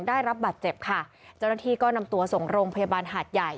ได้รับบาดเจ็บค่ะเจ้าหน้าที่ก็นำตัวส่งโรงพยาบาลหาดใหญ่